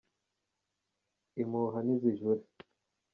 Impuha nizijure